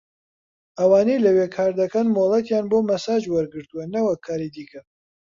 ئەوانەی لەوێ کاردەکەن مۆڵەتیان بۆ مەساج وەرگرتووە نەوەک کاری دیکە